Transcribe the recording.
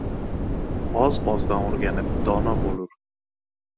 Oz-ozdan o‘rganib dono bo‘lur